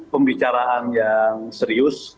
pembicaraan yang serius